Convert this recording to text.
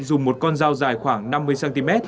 dùng một con dao dài khoảng năm mươi cm